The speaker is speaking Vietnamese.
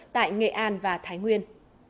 tại nghệ an và thái nguyên